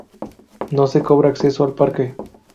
No se cobra acceso al Parque.